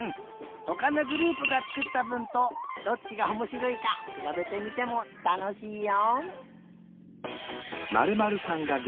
ほかのグループがつくったぶんとどっちがおもしろいかくらべてみてもたのしいよ。